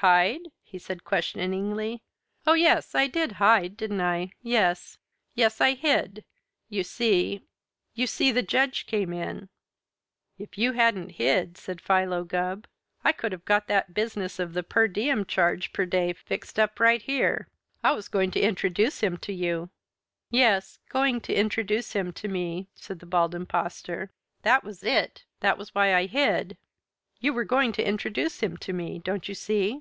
"Hide?" he said questioningly. "Oh, yes, I did hide, didn't I? Yes. Yes, I hid. You see you see the Judge came in." "If you hadn't hid," said Philo Gubb, "I could have got that business of the per diem charge per day fixed up right here. I was going to introduce him to you." "Yes going to introduce him to me," said the Bald Impostor. "That was it. That was why I hid. You were going to introduce him to me, don't you see?"